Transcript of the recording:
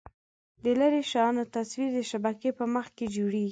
د لیرې شیانو تصویر د شبکیې په مخ کې جوړېږي.